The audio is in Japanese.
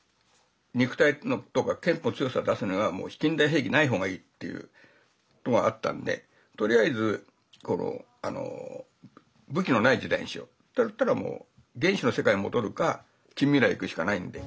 肉体とか拳法の強さを出すならもう近代兵器ない方がいいっていうのはあったんでとりあえず武器のない時代にしようっていったらもう原始の世界に戻るか近未来に行くしかないんで。